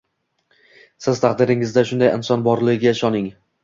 Siz taqdiringizda shunday inson borligiga ishoning